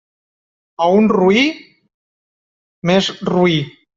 A un roí, més roí.